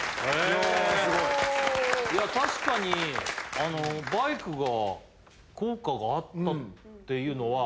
いや確かにバイクが効果があったっていうのは。